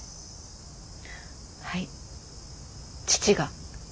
はい父が。